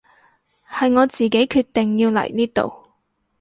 係我自己決定要嚟呢度